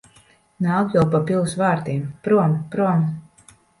Nāk jau pa pils vārtiem. Prom! Prom!